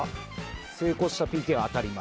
成功したＰＫは当たり前。